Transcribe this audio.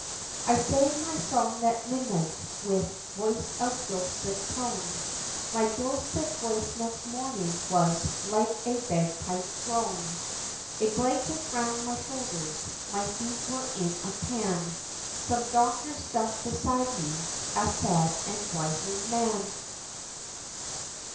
I sang my song that midnight, with voice of dulcet tone, My dulcet voice next morning was like a bagpipe groan, A blanket round my shoulders, my feet were in a pan, Some doctor's stuff beside me, a sad and wiser man!